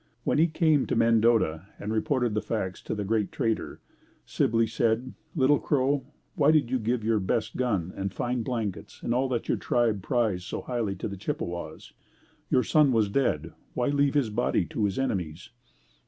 When he came to Mendota and reported the facts to the "Great Trader," Sibley said, "Little Crow, why did you give your best gun and fine blankets and all that your tribe prize so highly to the Chippewas. Your son was dead; why leave his body to his enemies."